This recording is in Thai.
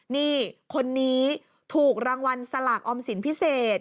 นี่คนนี้ถูกรางวัลสลากออมสินพิเศษ